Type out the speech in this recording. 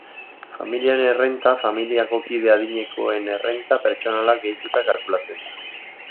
Familiaren errenta familiako kide adinekoen errenta pertsonalak gehituta kalkulatzen da.